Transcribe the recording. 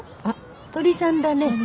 あっ鳥さんだね。